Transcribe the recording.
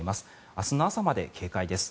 明日の朝まで警戒です。